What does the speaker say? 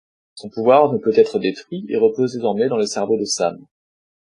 Son pouvoir ne peut être détruit et repose désormais dans le cerveau de Sam.